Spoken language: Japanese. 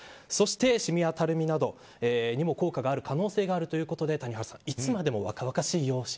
そして、シミやたるみなどにも効果がある可能性があるということでいつまでも若々しい容姿